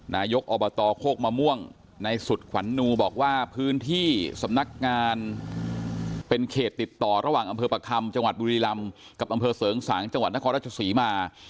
นายกอบตโคกมะม่วงในสุดขวัญนูบอกว่าพื้นที่สำนักงานเป็นเขตติดต่อระหว่างอำเภอประคำจังหวัดบุรีรำกับอำเภอเสริงสางจังหวัดนครราชศรีมา